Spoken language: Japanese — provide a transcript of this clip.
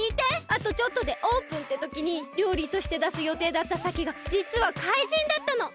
あとちょっとでオープンってときにりょうりとしてだすよていだったさけがじつはかいじんだったの！